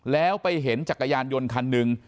แล้วไปเห็นจักรยานยนต์คันหนึ่ง